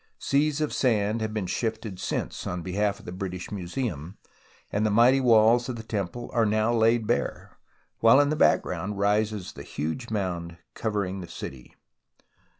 Seas of sand have been shifted since on behalf of the British Museum, and the mighty walls of the temple are now laid bare, while in the background rises the huge mound covering the city.